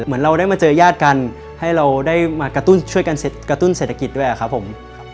เหมือนเราได้มาเจอญาติกันให้เราได้มากระตุ้นช่วยกันกระตุ้นเศรษฐกิจด้วยครับผม